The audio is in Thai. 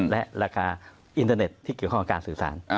และราคาอินเทอร์เน็ตที่เกี่ยวข้องกับการสื่อสาร